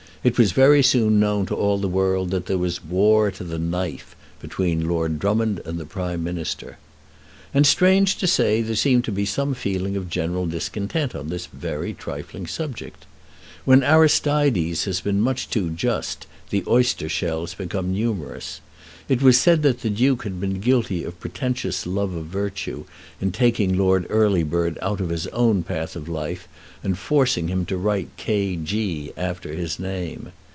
It was very soon known to all the world that there was war to the knife between Lord Drummond and the Prime Minister. And, strange to say, there seemed to be some feeling of general discontent on this very trifling subject. When Aristides has been much too just the oyster shells become numerous. It was said that the Duke had been guilty of pretentious love of virtue in taking Lord Earlybird out of his own path of life and forcing him to write K.G. after his name.